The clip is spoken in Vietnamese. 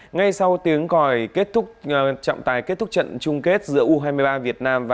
ngay sau tiếng còi chậm tài kết thúc trận chung kết giữa u hai mươi ba việt nam